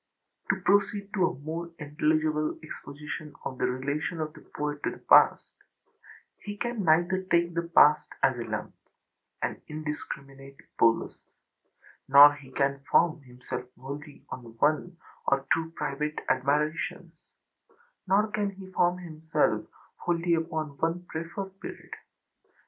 To proceed to a more intelligible exposition of the relation of the poet to the past: he can neither take the past as a lump, an indiscriminate bolus, nor can he form himself wholly on one or two private admirations, nor can he form himself wholly upon one preferred period.